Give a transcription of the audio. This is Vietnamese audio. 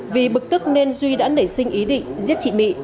vì bực tức nên duy đã nảy sinh ý định giết chị mị